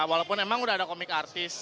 walaupun emang udah ada komik artis